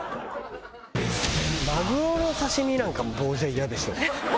マグロの刺し身なんかも棒じゃイヤでしょ？